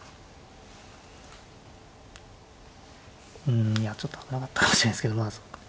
うんいやちょっと危なかったかもしれないですけどまあそうか。